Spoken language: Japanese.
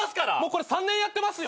これ３年やってますよ。